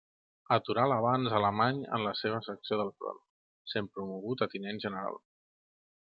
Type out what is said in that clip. Aturà l'avanç alemany en la seva secció del front, sent promogut a Tinent General.